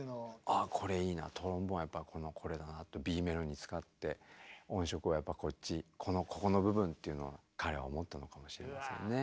「あっこれいいなトロンボーンやっぱこれだな」とＢメロに使って音色をやっぱこっちここの部分っていうのは彼は思ったのかもしれませんね。